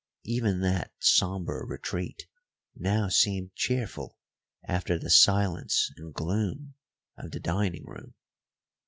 Even that sombre retreat now seemed cheerful after the silence and gloom of the dining room.